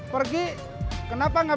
terima kasih juga